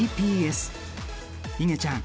いげちゃん